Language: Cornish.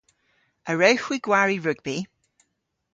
A wrewgh hwi gwari rugbi?